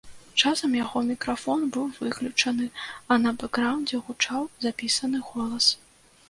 Часам яго мікрафон быў выключаны, а на бэкграўндзе гучаў запісаны голас.